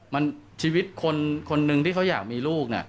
มันชีวิตคนคนหนึ่งที่เขาอยากมีลูกเนี่ย